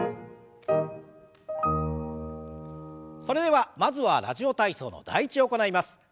それではまずは「ラジオ体操」の「第１」を行います。